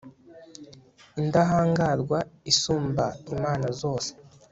indahangarwa isumba imana zose